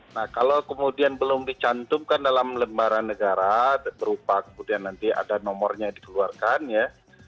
nah kalau kemudian belum dicantumkan dalam lembaran negara berupa kemudian nanti ada nomornya dikeluarkan ya